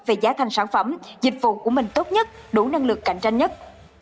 về giá thành sản phẩm dịch vụ của mình tốt nhất đủ năng lực cạnh tranh nhất